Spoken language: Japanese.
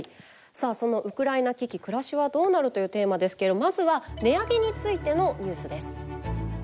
さあその「ウクライナ危機暮らしはどうなる」というテーマですけどまずは値上げについてのニュースです。